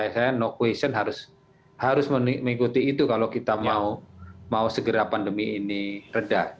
saya know question harus mengikuti itu kalau kita mau segera pandemi ini reda